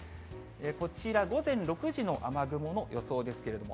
こちら、午前６時の雨雲の予想ですけれども。